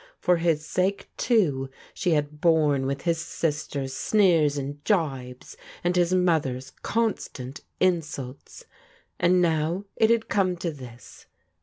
For his sake, too, she had borne with his sisters' sneers and jibes, and his mother's constant insults. And now it had come to this.